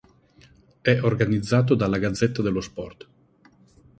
È organizzato da "La Gazzetta dello Sport".